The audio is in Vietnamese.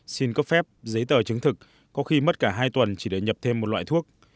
xin cấp phép giấy tờ chứng thực có khi mất cả hai tuần chỉ để nhập thêm một loại thuốc